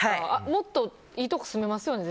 もっといいところ住めますよね